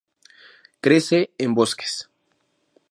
Crece en bosques.